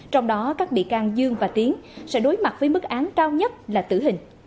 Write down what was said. trong đó các bị can dương và tiến sẽ đối mặt với mức án cao nhất là tử hình